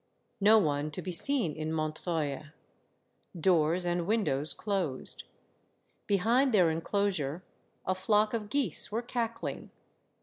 No one to be seen in Montreuil. Doors and windows closed. Behind their enclosure, a flock of geese were cackling.